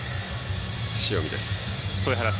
塩見です。